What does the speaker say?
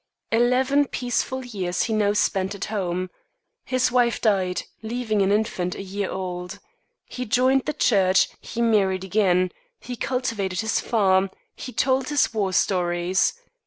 Eleven peaceful years he now spent at home. His wife died, leaving an infant a year old. He joined the church; he married again; he cultivated his farm; he told his war stories.